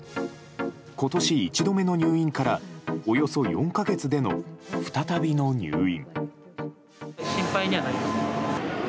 今年１度目の入院からおよそ４か月での再びの入院。